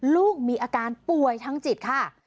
ลูกมีอาการป่วยทางจิตค่ะ